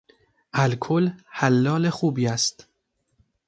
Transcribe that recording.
الکل حلال خوبی است.